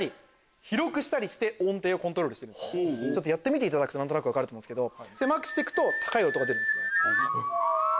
やってみていただくと何となく分かる思うんですけど。